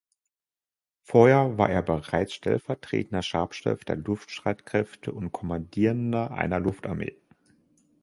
Vorher war er bereits stellvertretender Stabschef der Luftstreitkräfte und Kommandierender einer Luftarmee.